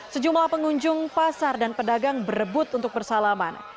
sejumlah pengunjung pasar dan pedagang berebut untuk bersalaman